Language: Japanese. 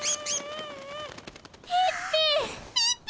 ピッピ。